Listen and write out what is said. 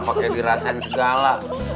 pakai dirasain segala